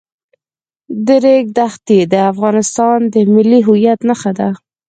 د ریګ دښتې د افغانستان د ملي هویت نښه ده.